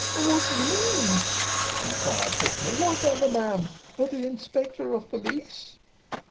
'What do you mean?' enquired Pitman. 'What other man? The inspector of police?